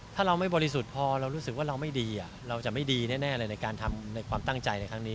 ถ้าเราไม่บริสุทธิ์พอเรารู้สึกว่าเราไม่ดีเราจะไม่ดีแน่เลยในการทำในความตั้งใจในครั้งนี้